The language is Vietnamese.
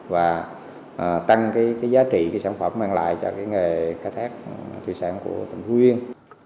và tăng giá trị sản phẩm mang lại cho nghề khai thác thủy sản của tỉnh phú yên